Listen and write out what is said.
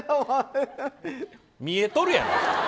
見えとるやん！